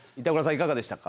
いかがでしたか？